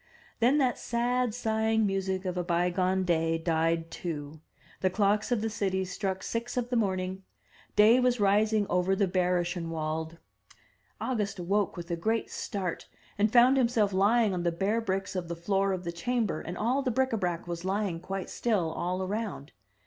Then that sad, sighing music of a bygone day died too; the clocks of the city struck six of the morning; day was rising over the Bayerischenwald. August awoke with a great start, and found himself lying on the bare bricks of the floor of the chamber, and all the bric a brac was lying quite still all around.